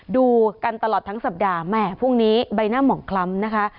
ดูกันตลอดทั้งสัปดาห์แหม่พรุ่งนี้ใบหน้าหมองคล้ำนะคะ